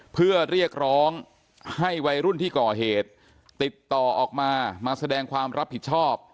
เพื่อเรียกร้องให้วัยรุ่นที่ก่อเหตุติดต่อออกมามาแสดงความรับผิดชอบ